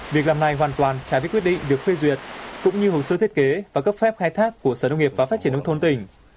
việc làm này hoàn toàn trái với quyết định được phê duyệt cũng như hồ sơ thiết kế và cấp phép khai thác của sở nông nghiệp và phát triển nông thôn tỉnh